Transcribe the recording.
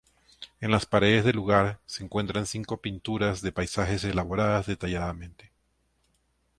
En las paredes del lugar, se encuentran cinco pinturas de paisajes elaboradas detalladamente.